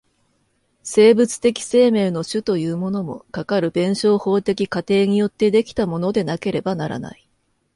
生物的生命の種というものも、かかる弁証法的過程によって出来たものでなければならない。